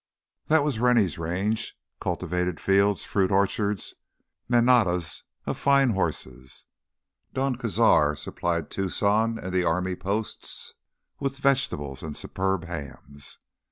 That was Rennie's Range—cultivated fields, fruit orchards, manadas of fine horses. Don Cazar supplied Tucson and the army posts with vegetables and superb hams.